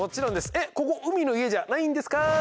えっここ海の家じゃないんですカーイ！